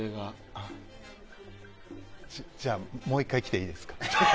あじゃあもう１回来ていいですか。